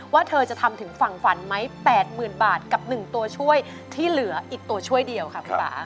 ว่าเธอจะทำถึงฝั่งฝันไหมแปดหมื่นบาทกับหนึ่งตัวช่วยที่เหลืออีกตัวช่วยเดียวค่ะครับ